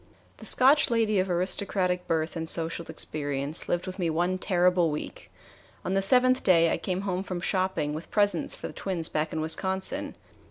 The Scotch lady of aristocratic birth and social experience lived with me one terrible week. On the seventh day I came home from shopping with presents for the twins back in Wisconsin.